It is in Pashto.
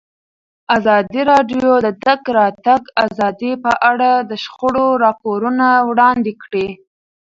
ازادي راډیو د د تګ راتګ ازادي په اړه د شخړو راپورونه وړاندې کړي.